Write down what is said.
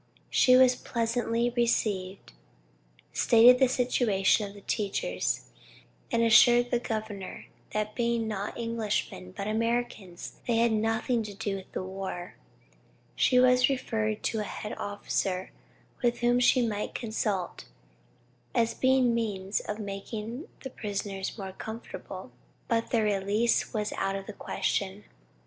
She was pleasantly received, stated the situation of the teachers, and assured the governor that being not Englishmen but Americans, they had nothing to do with the war. She was referred to a head officer with whom she might consult as to the means of making the prisoners more comfortable; but their release was out of the question.